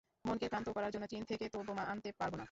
মনকে ক্ষান্ত করার জন্য চীন থেকে তো বোমা আনতে পারব না।